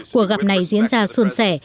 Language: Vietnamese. cuộc gặp này diễn ra xuân xẻ